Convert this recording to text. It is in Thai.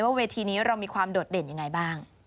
เวทีนี้เรามีความโดดเด่นยังไงบ้าง